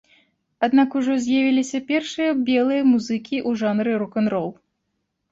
Аднак ужо з'явіліся першыя белыя музыкі ў жанры рок-н-рол.